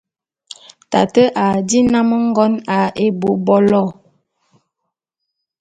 Tate a dí nnám ngon ā ebôbolo.